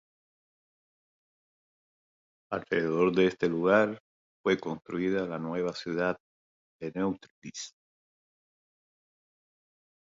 Alrededor de este lugar fue construida la nueva ciudad de Neustrelitz.